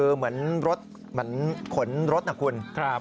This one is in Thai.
เหมือนขนทรศนาคุณ